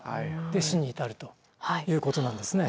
で死に至るということなんですね。